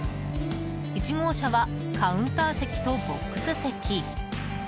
１号車はカウンター席とボックス席。